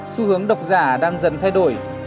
xu hướng đọc giả đang dần thay đổi